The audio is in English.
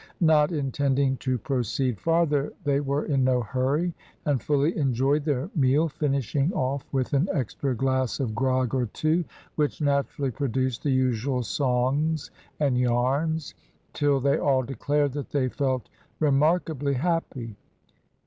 Not intending to proceed farther they were in no hurry, and fully enjoyed their meal, finishing off with an extra glass of grog or two, which naturally produced the usual songs and yarns, till they all declared that they felt remarkably happy.